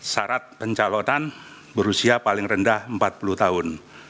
syarat pencalonan berusia paling rendah empat puluh tahun